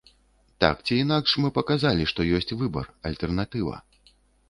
Так ці інакш мы паказалі, што ёсць выбар, альтэрнатыва.